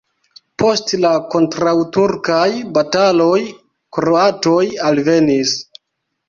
Post la kontraŭturkaj bataloj kroatoj alvenis.